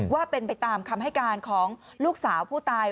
ว่าเป็นไปตามคำให้การของลูกสาวผู้ตาย